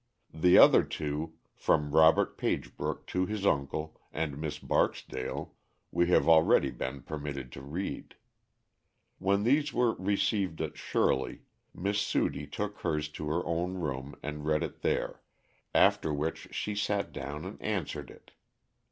The other two, from Robert Pagebrook to his uncle and Miss Barksdale, we have already been permitted to read. When these were received at Shirley, Miss Sudie took hers to her own room and read it there, after which she sat down and answered it.